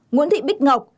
ba nguyễn thị bích ngọc